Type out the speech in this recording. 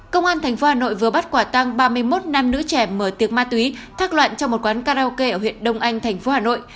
công an tp hà nội vừa bắt quả tăng ba mươi một nam nữ trẻ mở tiệc ma túy thác loạn trong một quán karaoke ở huyện đông anh tp hà nội